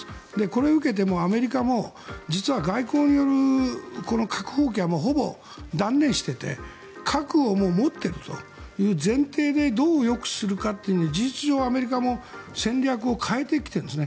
これを受けてアメリカも実は外交による核放棄はもうほぼ断念してて核を持っているという前提でどう抑止するかって事実上、アメリカも戦略を変えてきてるんです。